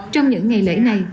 trong những ngày lễ này